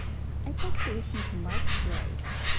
I'd like to listen to mark rae